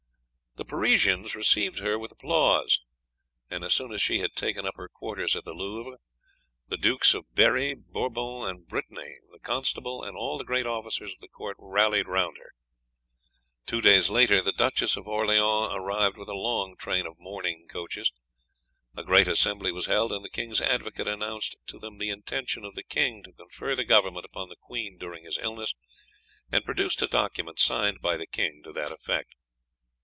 "The Parisians received her with applause, and as soon as she had taken up her quarters at the Louvre, the Dukes of Berri, Bourbon, and Brittany, the Constable, and all the great officers of the court rallied round her. Two days later the Duchess of Orleans arrived with a long train of mourning coaches. A great assembly was held, and the king's advocate announced to them the intention of the king to confer the government upon the queen during his illness, and produced a document signed by the king to that effect.